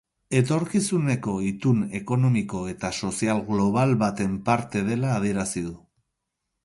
Etorkizuneko itun ekonomiko eta sozial global baten parte dela adierazi du.